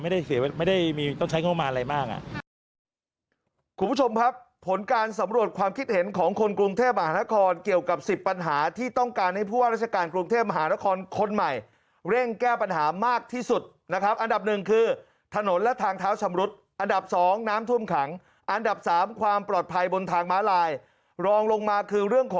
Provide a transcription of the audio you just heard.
ไม่ได้เสียว่าไม่ได้ต้องใช้เข้ามาอะไรมาก